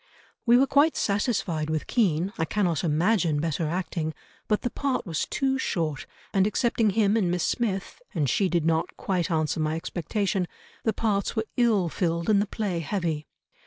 "We were quite satisfied with Kean, I cannot imagine better acting, but the part was too short and excepting him and Miss Smith,—and she did not quite answer my expectation,—the parts were ill filled and the play heavy.